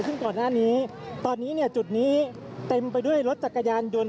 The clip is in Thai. ซึ่งก่อนหน้านี้ตอนนี้เนี่ยจุดนี้เต็มไปด้วยรถจักรยานยนต์